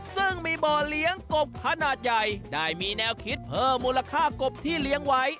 ซึ่งมีบ่อเลี้ยงกบขนาดใหญ่ได้มีแนวคิดเพิ่มมูลค่ากบที่เลี้ยงไว้